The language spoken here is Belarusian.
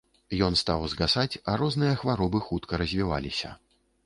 Ён стаў згасаць, а розныя хваробы хутка развіваліся.